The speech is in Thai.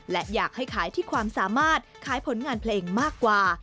และอยากให้ขายที่ความสามารถขายผลงานเพลงมากกว่า